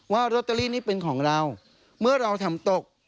ว่าลอตเตอรี่นี่เป็นของเราเมื่อเราทำตก